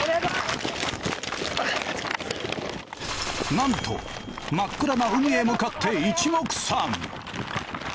なんと真っ暗な海へ向かって一目散！